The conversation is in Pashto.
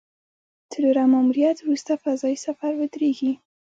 څلورم ماموریت وروسته فضايي سفر ودرېږي